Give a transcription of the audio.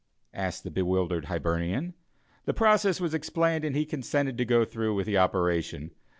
asked the bewildered Hibernian. The process was explained and he consented to go through with the operation.